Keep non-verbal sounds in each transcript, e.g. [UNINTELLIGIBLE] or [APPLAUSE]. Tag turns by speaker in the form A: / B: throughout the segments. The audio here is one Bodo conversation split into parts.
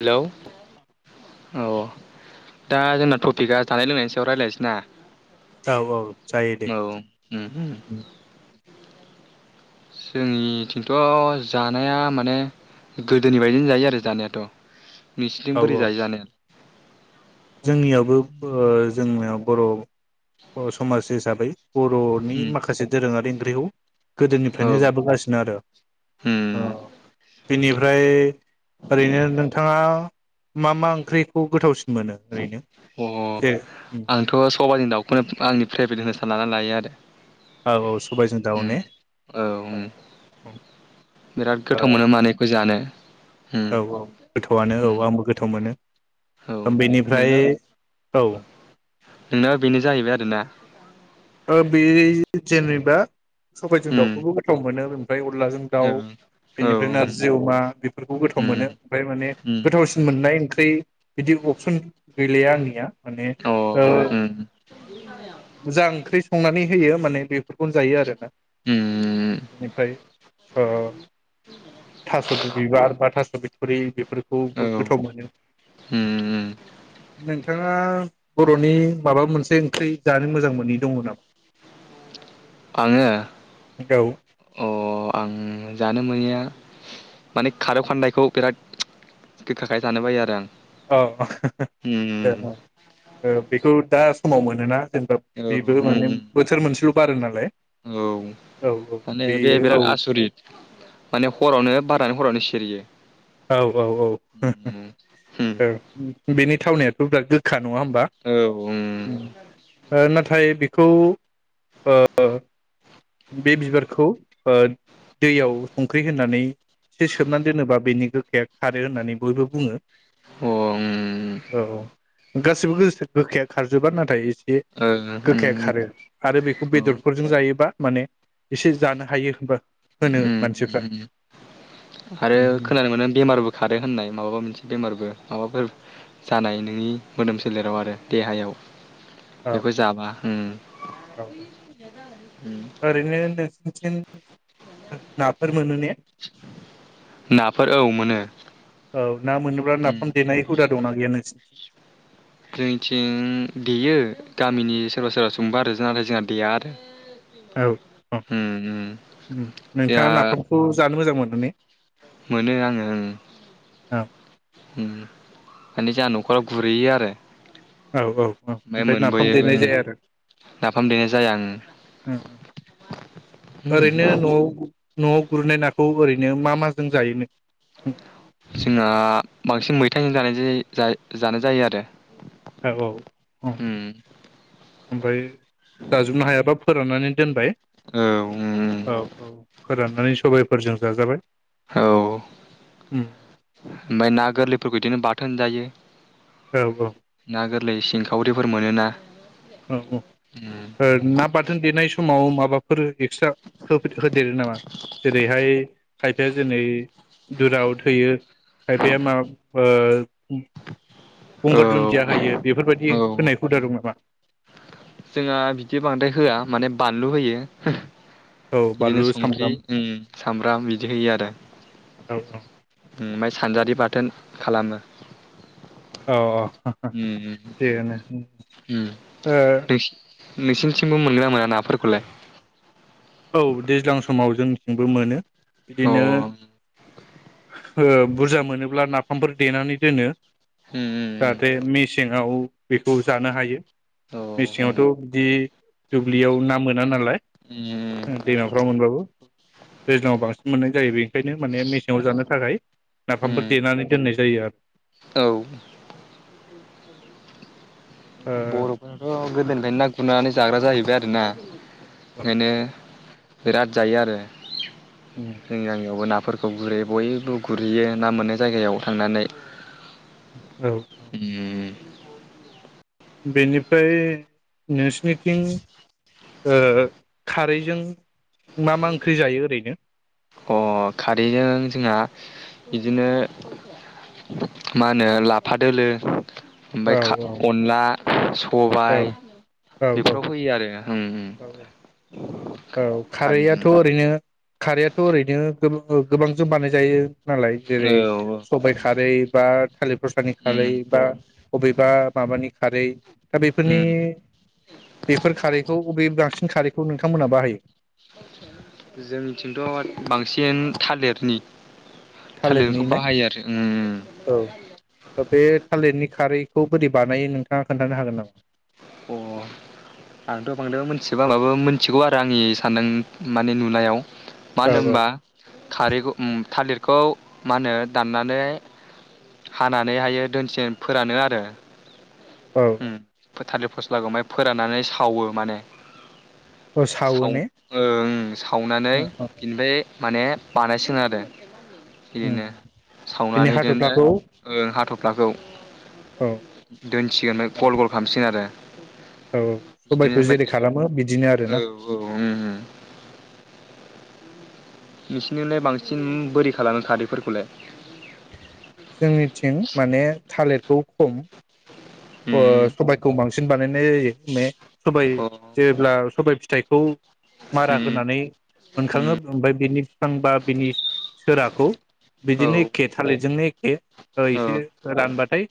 A: हेलौ औ दा जोंना टपिकआ जानाय लोंनायनि सायाव रायज्लायनोसै ना?
B: औ औ जायो दे
A: औ उम जोंनिथिंथ' जानाया माने गोदोनि बायदिनो जायो आरो जानायाथ',
B: औ
A: नोंसिनिथिं बोरै
B: औ
A: जायो जानाया,
B: जोंनियावबो ओ जोंनियाव, बर' बर' समाज हिसाबै, बर'नि
A: उम
B: माखासे दोरोङारि, रेव
A: औ
B: गोदोनिफ्रायनो जाबोगासिनो आरो ओ
A: उम
B: बेनिफ्राय ओरैनो नोंथाङा, मा मा ओंख्रिखौ गोथावसिनमोन,
A: अ आंथ' सबायजों दाउखौनो आंनि फेभ्रेट होनो साननानै लायो आरो
B: औ औ सबायजों दाउ ने
A: उम औ उम बिराद गोथाव मोनो बेखौ जानो, उम
B: औ औ गोथौआनो औ
A: उम
B: आंबो गोथाव मोनो,
A: औ
B: बेनिफ्राय औ
A: नोंनाबो बेनो जाहैबाय आरोना?
B: ओ बे जेनेबा सबाइजों
A: उम
B: दाउखौबो गोथाव मोनो, ओमफ्राय अनलाजों दाउ
A: औ औ
B: बेनिफ्राय
A: उम
B: नारजि अमा बेफोरखौ गोथाव
A: उम
B: मोनो ओमफ्राय माने
A: उम
B: गोथावसिन मोननाय ओंख्रि बिदि अपसन गैलया आंनिया माने
A: अ
B: ओ
A: उम
B: मोजां, नानै होयो माने बेफोरखौनो जायो आरोना,
A: उम
B: इनिफ्राय ओ थास' बि बिबार बा थास बि [UNINTELLIGIBLE]
A: औ ओम
B: बिथाङा बर'नि माबा मोनसे ओंख्रि जानो मोजां मोनि दङ नामा?
A: आङो
B: औ
A: अ आं जानो मोनैया माने खारौ खान्दायखौ बिराद गोखाखाय जानो बायो आरो आं।
B: औ [UNINTELLIGIBLE]
A: उम
B: बेखौ दास समाव मोनोना? जेनेबा
A: औ ओम
B: बेबो माने
A: ओम
B: बोथोर मोनसेल' बारो नालाय
A: औ
B: औ औ
A: माने बे
B: औ
A: बिराद आसरित माने हरावनो बारनानै हरावनो सिरियो।
B: औ औ औ औ
A: उम उम
B: बेनि थावनायाथ' बिराद गोखा। नङा होमबा
A: औ उम
B: ओ ना नाथाय बेखौ ओ‌ बे बिबारखौ ओ‌ दैयाव संख्रि होननानै एसे सोमनानै दोनोबा बेनि गोखाया खारो होननानै बयबो बुङो।
A: अ उम
B: औ गासिबो गोस गोखाया खारजोबा नाथाय एसे
A: अ उम ओ
B: गोखाया
A: उम
B: खारो आरो बेखौ
A: औ
B: बेदरफोरजों जायोबा माने एसे जानो हायो होनबा? होनो
A: उम
B: मानसिफ्रा
A: उम आरो खोनानो मोनो। बेमारबो खारो होननाय माबाबा मोनसे बेमारबो माबाफोर जानाय नोंनि मोदोम सोलेराव आरो देहायाव।
B: औ
A: बेखौ जाबा उम
B: औ
A: उम
B: ओरैनो नों [INAUDIBLE] नाफोर मोनो ने।
A: नाफोर औ मोनो
B: औ ना मोन
A: उम
B: नाफाम दे हुदा दाङना गैया नोंसिनि
A: जोंथिं देयो गामिनि सोरबा सोरबा संबा आरो नाथाय जोंहा देया आरो।
B: औ औ
A: उम उम जोंहा
B: नोंथाङा नाफामखौ जानो मोजां [UNINTELLIGIBLE]
A: मोनो आङो ओं
B: औ
A: उम माने जाहा न'खराव गुरुयो आरो
B: औ औ औ ओमफ्राय नाफाम
A: मोनबोयोबो
B: देनाय
A: ओं
B: जाया आरो
A: नाफाम देनाय जाया आं
B: उम ओरैनो
A: उम
B: न'आव नवाव गुरनाय नाखौ ओरैनो मा माजों जायोनो?
A: जोंहा बांसिन मैथायाइजों जानाय जि था-जानाय जायो आरो।
B: औ औ औ
A: उम
B: ओमफाय जाजोबनो हायाबा फोराननानै दोनबाय।
A: औ उम
B: नानै सबाइफोरजों जाजाबाय।
A: औ
B: उम
A: ओमाय ना गोरलैफोरखौ बिदिनो बा थोन जायो।
B: औ औ
A: ना गोरलै सिंखावरि फोर मोनोना।
B: औ ओ
A: उम
B: ना बाथोन देनाय समाव माबाफोर एक्सट्रा होफे होदेरो नामा जेरैहाय खायफाया जनै दुराव थोयो खायफाया मा ओ गंगार दुनदिया होयो बेफोरबायदि
A: औ औ
B: होनाय हुदा दं नामा?
A: जोंहा बिदि बांद्राय होआ माने बानलु होयो।
B: औ
A: बिदिनो
B: बानलु
A: संख्रि
B: सामब्राम
A: उम सामब्राम बिदि होयो आरो।
B: औ
A: ओम सानजारि बाथोन खालामो।
B: औ अ हा हा
A: उम
B: थिगानो उम ओ
A: नोंसिनिथिमबो मोनगोना मोना नाफोरखौलाय?
B: औ दैज्लां समाव जोंथिंबो मोनो।
A: अ
B: बिदिनो ओ बुरजा मोनोब्ला नाफामफोर देनानै दोनो।
A: उम
B: जाहाथे मेसेंङाव बेखौ जानो हायो
A: औ उम
B: मेसेङावथ' बिदि दुब्लियाव ना मोना नालाय। उम दैमाफ्राव मोनबाबो। दैज्लाङाव बांसिन मोननाय जायो बेनिखायनो माने मेस सेङाव जानो थाखाय नाफामफोर
A: उम
B: देनानै दोननाय जायो
A: औ
B: आरो
A: बर'फोराथ' गोदोनिफ्रायनो ना गुरनानै जाग्रा जाहैबाय आरोना ओंखायनो बिराद जायो आरो
B: ओ
A: जोंनि गामियावबो ना फोरखौ गुरैयो बयबो गुरहैयो ना मोनो जायगायाव थांनानै
B: औ
A: उम
B: बेनिफ्राय नोंसिनिथिं ओ खारैजों मा मा ओंख्रि जायो ओरैनो
A: अ खारैजों जोंहा बिदिनो मा होनो लाफा दोलो
B: औ
A: ओमफ्राय अनला
B: औ
A: सबायाइ
B: औ औ
A: बेफोराव होयो आरो उम उम
B: औ औ
A: खारैजों
B: खारैआथ' ओरैनो खारैआथ' ओरैनो गोबां [UNINTELLIGIBLE] बानाय जायो नालाय जेरै
A: औ औ
B: सबाइ खारै बा थालिर फसलानि
A: उम
B: खारै बा अबेबा माबानि खारै दा बेफोरनि
A: उम
B: बेफोर खारैखौ बबे बांसि खारिखौ नोंथ थांमोनहा बाहायो
A: जोंनिथिंथ' बांसिन थालिरनि
B: थालिरनि
A: थालिरखौ
B: ना
A: बाहायो आरो उम उम
B: ओ बे थालिरनि खारैखौ बोरै बानायो नोंथाङा खोन्थानो हागोन नामा?
A: अ आंथ' बांद्राय मिथिबा-बाबो मिथिगौ आरो आंनि सान्दों माने नुनायाव
B: औ
A: मानो
B: औ
A: होमबा खारैखौ उम थालिर खौ मा होनो दाननानै हानानैहायो दोनसे फोरानो आरो
B: औ
A: उम थालिर फस्लागोमाय फोराननानै सावो माने
B: औ सावो
A: साव
B: ने
A: ओ ओं सावनानै
B: औ औ
A: बेनिफ्राय माने बानायसोनोआरो
B: उम
A: बिदिनो
B: बिनि
A: सावनानैदिनदो
B: हाथ'फ्लाखौ
A: ओ हाथर
B: औ
A: [UNINTELLIGIBLE] दोनसिगोन ओमफाइ गल गल खालामसिगोन आरो
B: औ
A: बिदिनो
B: सबायखौ जेरै
A: ओमफ्राय
B: खालामो बिदिनो
A: औ
B: आरोना
A: उम उम नोंसिनिलाय बांसिन बोरै खालामो खारैफोरखौलाय
B: जोंनिथिं माने थालिर [UNINTELLIGIBLE] ओ
A: उम
B: सबायखौ बां सिन बानायनाय जायो मे सबाइ
A: अ
B: जेब्ला सबाय फि थाइखौ मारा
A: उम
B: होनानै मोनखाङो
A: उम
B: ओमफ्राय बिनि बिफां बा बिनि सोराखौ
A: औ
B: बिदिनो एखे थालिरजोंनो [UNINTELLIGIBLE] ओ एसे रानबाथाय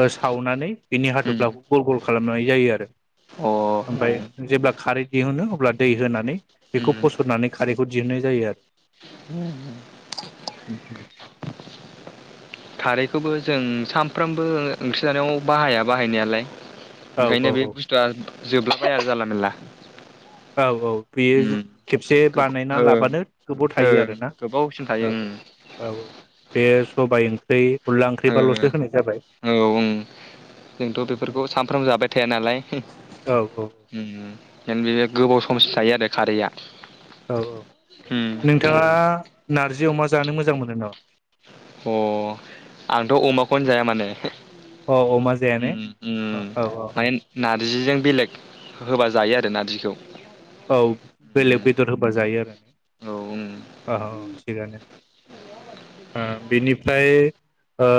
B: ओ सावनानै बिनि
A: उम
B: हाथफ्लाखौ गल गल खालामनाय जायो आरो।
A: अ
B: ओमफ्राय
A: उम
B: जेब्ला खारै दिहुनो अब्ला दै होनानै बेखौ
A: उम
B: फसरनानै खारै खौ दिहुन्नाय जायो आरो उम उम।
A: खारैखौबो जों सानफ्रामबो ओंख्रि जानायाव बाहाया बाहायनायालाय।
B: औ
A: ओंखायनो बे
B: औ
A: बुस्थुआ जोबला बाया जानला मानला।
B: औ-औ बेयो खेबसे
A: गोब
B: बानायना
A: ओं
B: लाबानो गोबाव थायो
A: ओं
B: आरोना
A: गोबावसिम थायो
B: औ-औ-औ-औ बेयो सबाय ओंख्रै
A: [UNINTELLIGIBLE] औ ओं जोंथ'
B: औ
A: बेफोरखौ सामफ्रामबो जाबाय थाया नालाय
B: औ औ
A: [UNINTELLIGIBLE] [UNINTELLIGIBLE] गोबाव समसिम थायो आरो खारैया।
B: औ-औ
A: उम
B: नोंथाङा नारजि अमा जानो मोजां मोनो नामा?
A: अ आंथ' अमाखौनो जाया माने।
B: औ अमा जाया ने औ-औ-औ।
A: जिजों बेलेग होबा जायो आरो नारजिखौ।
B: औ बेलेग
A: उम
B: बेदर होबा जायो आरो
A: औ उम
B: ने औ-औ। [UNINTELLIGIBLE] बेनिफ्राय ओ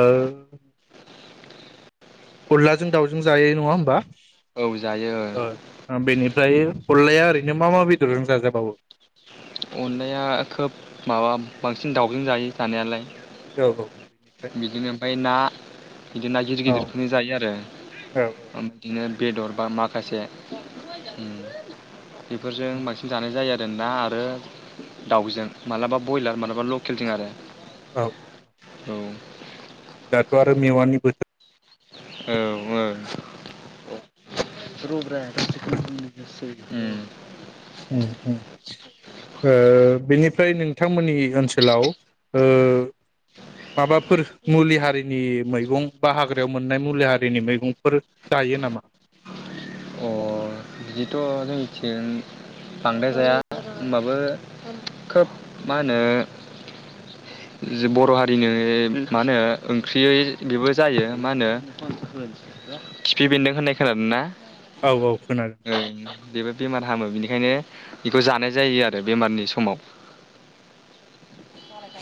B: अनलाजों दाउजों जायो नङा होमबा।
A: औ जायो
B: ओ बेनिफ्राय अनलाया ओरैनो मा-मा बेदरजों जाजाबावो?
A: अनलाया खोब माबा बांसिन दावजों जायो जानायालाय।
B: औ-औ-औ।
A: बिदिनो ओमफ्राय ना। बिदिनो ना
B: औ
A: गिदिर-गिदिरखौनो जायो आरो
B: औ
A: ओम बिदिनो। बेदर बा माखासे उम बेफोरजों बांसिन जानाय जायो जों ना आरो दाउजों मालाबा बयलार मालाबा लकेलजों आरो।
B: औ।
A: औ।
B: दाथ' आरो मेवानि बोथोर
A: औ ओ [UNINTELLIGIBLE]
B: उम उम ओ बेनिफ्राय नोंथांमोननि ओनसोलाव ओ माबाफोर मुलि हारिनि मैगं बा हाग्रायाव मोननाय मुलि हारिनि मैगंफोर जायो नामा?
A: अ बिदिथ' जोंनिथिं बांद्राय जाया होनबाबो खोब मा होनो बर' हारिनि मा होनो ओंख्रियै बेबो जायो मा होनो खिफि बेन्दों होननाय खोनादों ना?
B: औ औ खोनाद
A: ओं बेबो बेमार हामो बिनि खायनो बेखौ जानाय जायो आरो बेमारनि समाव।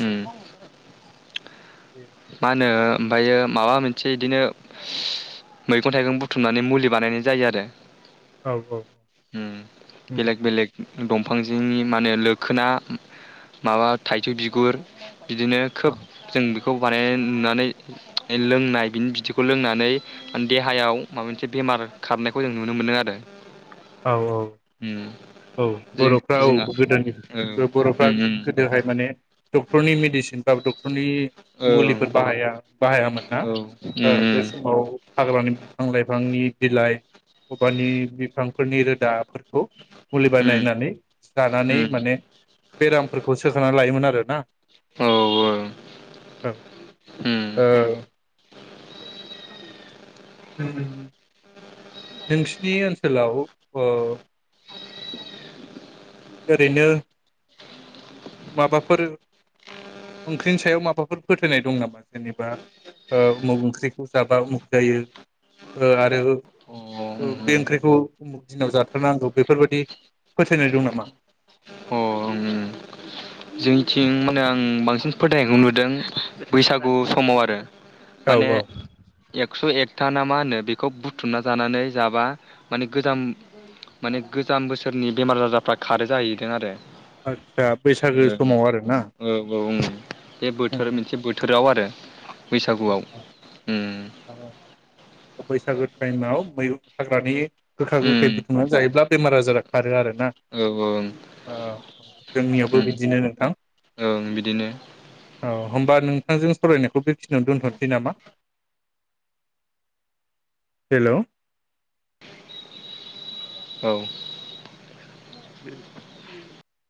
A: उम मा होनो ओमफायो माबा मोनसे इदिनो मैगं थाइगं बुथुमनानै मुलि बानायनाय जायो आरो
B: औ
A: उम बेलेग बेलेग दंफांजोंनि माने लोखोना माबा थाइजौ बिगुर बिदिनो खोब जों बेखौ नुनानै लोंनाय बिनि बिदिखौ लोंनानैे देहायाव माबा मोनसे बेमार खारनायखौ जों नुनो मोनदों आरो
B: औ औ
A: उम
B: औ औ
A: जों
B: बर'फ्रा औ
A: जोंहा
B: गोदोनि
A: औ
B: बर'फ्रा
A: उम उम
B: गोदोहाय माने डक्टरनि मेडिसिन बा द रनि
A: औ
B: मुलिफोर बाहाया बाहायामोन ना
A: उम
B: ओ बे
A: उम
B: समाव हाग्रानि बिफां लाइफांनि बिलाइ [UNINTELLIGIBLE] फांफोरनि रोदाफोरखौ मुलि बानायनानै जानानै माने बेरामफोरखौ सोखांना लायोमोन आरो ना
A: औ उम
B: औ ओ [UNINTELLIGIBLE] नोंसिनि ओनसोलाव ओ ओरैनो माबाफोर ओंख्रिनि सायाव माबाफोर फोथायनाय दं नामा जेनेबा ओ उमुग ओंख्रिखौ जाबा उमुग जायो ओ आरो
A: अ
B: ओ बे
A: उम
B: ओंख्रिखौ उमुख दिनाव जाथारनांगौ बेफोरबायाददि फोथायनाय दं नामा?
A: अ उम जोंनिथिं माने आं बांसिन फोथायनायखौ नुदों बैसागु समाव आरो
B: औ
A: माने
B: औ
A: एक क्स' एकथा ना मा होनो बेखौ बुथुमना जानानै जाबा माने गोजाम माने गोजाम बोसोरनि बेमार आजारफ्रा खारो जाहैदों आरो
B: आद
A: ओ औ औ उम बे
B: उम
A: बोथोर मोनसे बोथोराव आरो [INAUDIBLE]
B: औ औ
A: बैसागुआव उं
B: मैुहु हाग्रानि गोखा गोखै बुथुमनानै जायोब्ला बेमार आजारा खारो आरो ना‌
A: औ औ
B: ओ जोंनियावबो
A: ओं
B: बिदिनो नोंथां
A: ओं बिदिनो
B: औ होमबा नोंथांजों सरायनायखौ‌ बेख नो दोनथ'नोसै नामा हेलौ
A: औ